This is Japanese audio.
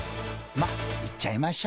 まっいっちゃいましょう。